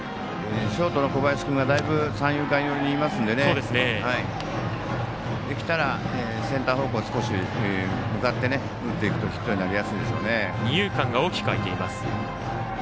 ショートの小林君がだいぶ三遊間寄りにいますのでできたら、センター方向少し向かって打っていくとヒットになりやすいでしょうね。